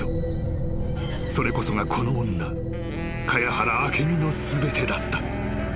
［それこそがこの女茅原明美の全てだった］